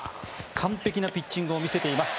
完璧なピッチングを見せています。